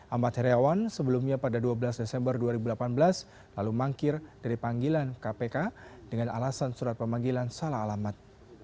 ahmad heriawan sebelumnya pada dua belas desember dua ribu delapan belas lalu mangkir dari panggilan kpk dengan alasan surat pemanggilan salah alamat